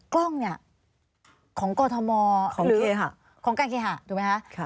กล้องเนี่ยของกรธมอร์ของเกฮะของการเกฮะถูกไหมคะ